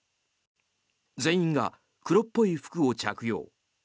全員が黒っぽい服を着用。